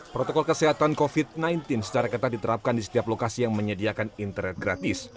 protokol kesehatan covid sembilan belas secara ketat diterapkan di setiap lokasi yang menyediakan internet gratis